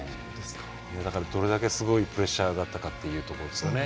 だから、どれだけすごいプレッシャーだったかというところですね。